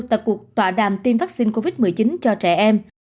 tại cuộc tọa đàm tiêm vaccine covid một mươi chín cho trẻ em